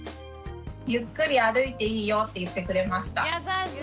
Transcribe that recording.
「ゆっくり歩いていいよ」って言ってくれました。